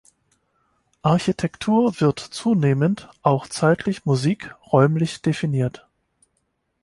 Architektur wird zunehmend auch zeitlich, Musik räumlich definiert.